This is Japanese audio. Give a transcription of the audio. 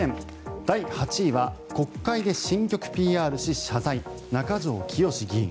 第８位は国会で新曲ＰＲし謝罪中条きよし議員。